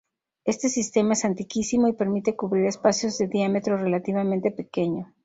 Este sistema es antiquísimo, y permite cubrir espacios de diámetro relativamente pequeño.